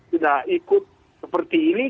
tidak ikut seperti ini